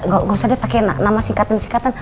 gak usah dia pakai nama singkatan singkatan